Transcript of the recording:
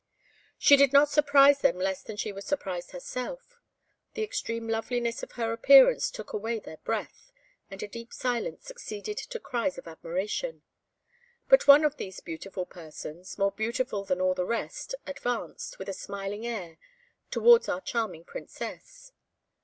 She did not surprise them less than she was surprised herself: the extreme loveliness of her appearance took away their breath, and a deep silence succeeded to cries of admiration. But one of these beautiful persons, more beautiful than all the rest, advanced, with a smiling air, towards our charming Princess.